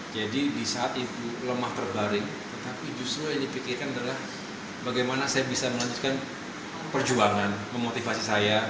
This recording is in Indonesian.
jadi disaat ibu lemah terbaring tetapi justru yang dipikirkan adalah bagaimana saya bisa melanjutkan perjuangan memotivasi saya